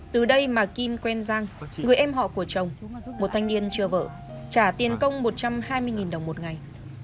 từ đây mà kim quen giang người em họ của chồng một thanh niên chưa vợ trả tiền công một trăm hai mươi đồng một ngày